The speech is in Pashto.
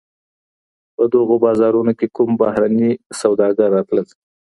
په دغو بازارونو کي کوم بهرني سوداګر راتلل؟